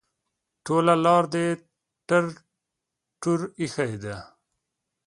ټوله لار دې ټر ټور ایښی ده.